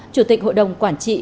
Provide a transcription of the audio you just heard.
chủ tịch hội đồng quản trị